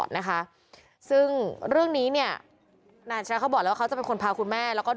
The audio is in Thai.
เนี่ยคิดแค่นี้